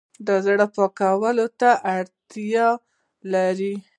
زړه پاکوالي ته اړتیا لري